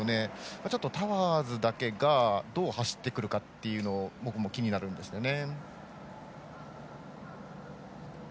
ちょっとタワーズだけがどう走ってくるのかを僕も気になるんですよね。